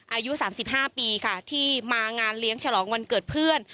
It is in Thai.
อายุ๓๕ปีค่ะที่มางานเลี้ยงฉลองวันเกิดเพื่อน